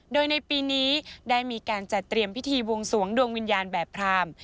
โดยในปีนี้ได้มีการจัดเตรียมพิธีบวงสวงดวงวิญญาณแบบพราม